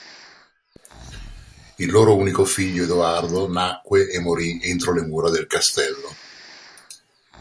Il loro unico figlio Edoardo nacque e morì entro le mura del castello.